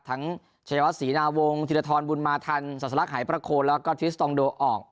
ทั้งชายวัดศรีนาวงศ์ธิริษฐรบุญมาธรรมสรรคหายประโคนแล้วก็ธิริสตรองโดออก